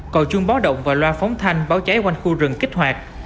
cầu chuông bó động và loa phóng thanh báo cháy quanh khu rừng kích hoạt